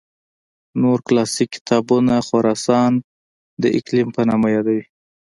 نور کلاسیک کتابونه خراسان د اقلیم په نامه یادوي.